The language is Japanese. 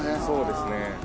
そうですね